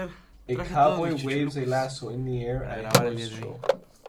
A cowboy waves a lasso in the air at a horse show.